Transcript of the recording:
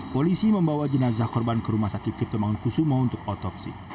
polisi membawa jenazah korban ke rumah sakit cipto mangunkusumo untuk otopsi